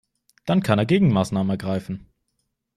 Dann kann er Gegenmaßnahmen ergreifen.